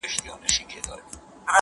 • تـا كــړلــه خـــپـــره اشــــنـــــا؛